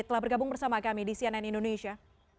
telah bergabung bersama kami di cnn indonesia